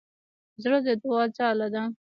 زړه د دوعا ځاله ده.